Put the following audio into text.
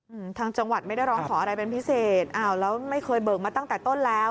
อืมทางจังหวัดไม่ได้ร้องขออะไรเป็นพิเศษอ้าวแล้วไม่เคยเบิกมาตั้งแต่ต้นแล้ว